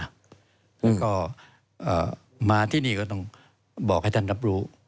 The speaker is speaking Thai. แล้วก็มาที่นี่ก็ต้องบอกให้ท่านรับรู้